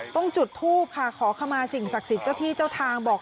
ต้องจุดทูปค่ะขอขมาสิ่งศักดิ์สิทธิ์เจ้าที่เจ้าทางบอก